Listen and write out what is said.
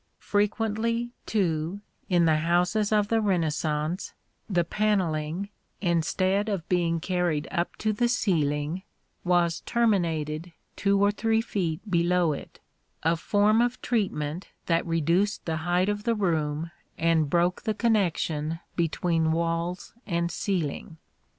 Frequently, too, in the houses of the Renaissance the panelling, instead of being carried up to the ceiling, was terminated two or three feet below it a form of treatment that reduced the height of the room and broke the connection between walls and ceiling.